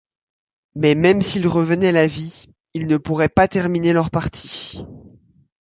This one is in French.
Mais même s'ils revenaient à la vie, ils ne pourraient pas terminer leur partie.